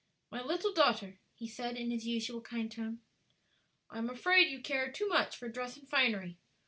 "My little daughter," he said, in his usual kind tone, "I am afraid you care too much for dress and finery.